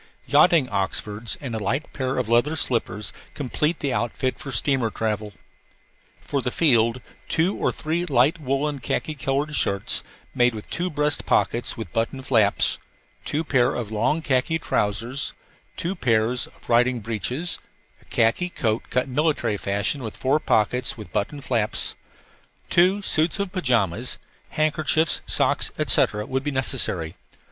Yachting oxfords and a light pair of leather slippers complete the outfit for steamer travel. For the field, two or three light woollen khaki colored shirts, made with two breast pockets with buttoned flaps, two pairs of long khaki trousers, two pairs of riding breeches, a khaki coat cut military fashion with four pockets with buttoned flaps, two suits of pajamas, handkerchiefs, socks, etc., would be necessary.